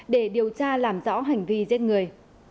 để điều tra làm rõ hành vi giết người